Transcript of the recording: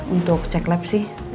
untuk cek lab sih